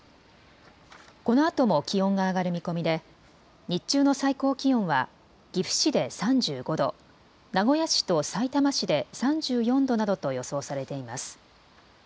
このあとも気温が上がる見込みで日中の最高気温は岐阜市で３５度、名古屋市とさいたま市で３４度などと予想されています。